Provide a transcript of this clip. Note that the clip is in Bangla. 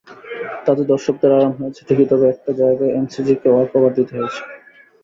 তাতে দর্শকদের আরাম হয়েছে ঠিকই, তবে একটা জায়গায় এমসিজিকে ওয়াকওভার দিতে হয়েছে।